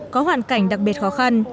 có hoàn cảnh đặc biệt khó khăn